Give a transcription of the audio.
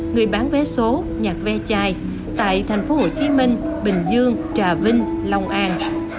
người bán vé số nhạc ve chai tại thành phố hồ chí minh bình dương trà vinh long an